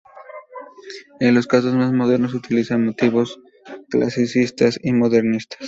En los casos más modernos, se utilizan motivos clasicistas y modernistas.